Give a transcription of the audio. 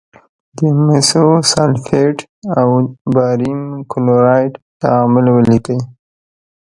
د مسو سلفیټ او باریم کلورایډ تعامل ولیکئ.